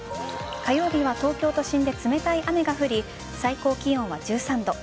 火曜日は東京都心で冷たい雨が降り最高気温は１３度。